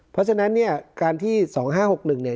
เพราะฉะนั้นเนี่ยการที่สองห้าหกหนึ่งเนี่ย